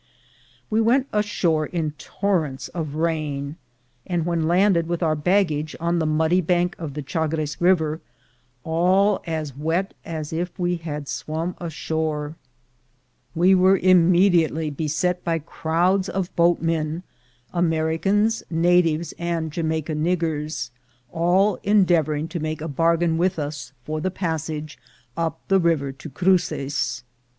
We went ashore in torrents of rain, and when landed with our baggage on the muddy bank of the Chagres river, all as wet as if we had swum ashore, 24 THE GOLD HUNTERS we were immediately beset by crowds of boatmen, Americans, natives, and Jamaica niggers, all endeav oring to make a bargain with us for the passage up the river to Cruces.